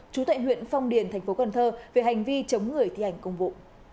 chủ tệ huyện phong điền tp cn về hành vi chống người thi hành công vụ